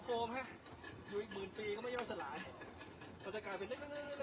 จานค่ะมันจริงเลยโอ้โหสบายอยู่แล้ว